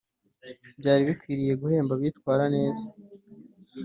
byari bikwiriye guhemba abitwara neza